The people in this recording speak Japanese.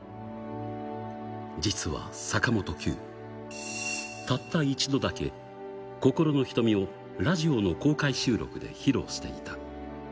実は坂本九、たった一度だけ、心の瞳をラジオの公開収録で披露していた。